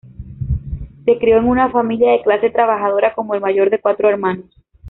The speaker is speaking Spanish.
Se crio en una familia de clase trabajadora como el mayor de cuatro hermanos.